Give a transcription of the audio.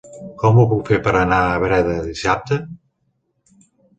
Com ho puc fer per anar a Breda dissabte?